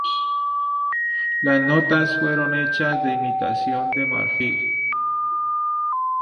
Las notas fueron hechas de imitación de marfil.